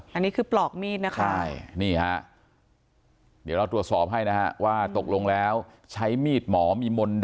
อันนี้คือปลอกมีดนะคะ